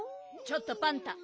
ちょっとパンタ。